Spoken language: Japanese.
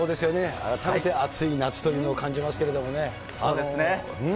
改めて暑い夏というのを感じますけれどもね。